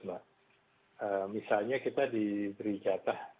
misalnya kita diberi catah